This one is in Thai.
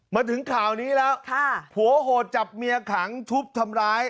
มาถึงข่าวนี้แล้วผัวโหดจับเมียขังทุบทำร้าย